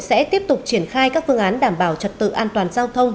sẽ tiếp tục triển khai các phương án đảm bảo trật tự an toàn giao thông